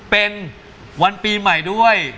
เป็นวันปีใหม่ด้วย